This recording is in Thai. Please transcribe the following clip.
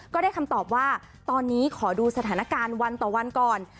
ก็ได้คำตอบว่าตอนนี้ขอดูสถานการณ์วันต่อวันก่อน